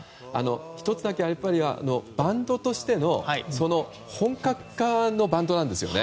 １つだけ、バンドとしても本格派バンドなんですよ。